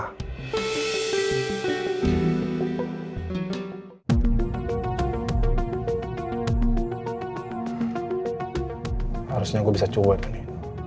harusnya gue bisa cuek nih